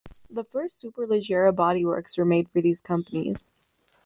The first superleggera bodyworks were made for these companies.